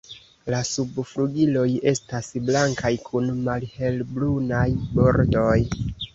La subflugiloj estas blankaj kun malhelbrunaj bordoj.